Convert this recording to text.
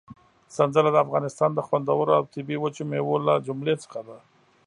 سنځله د افغانستان د خوندورو او طبي وچو مېوو له جملې څخه ده.